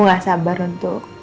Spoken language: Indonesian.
nggak sabar untuk